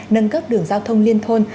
nâng cấp đường giao thông liên thôn